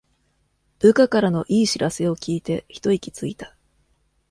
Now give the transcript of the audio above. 部下からの良い知らせを聞いてひと息ついた